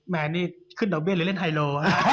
แม่นี่ขึ้นดอกเบี้ยหรือเล่นไฮโล